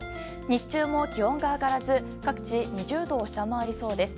日中も気温が上がらず各地２０度を下回りそうです。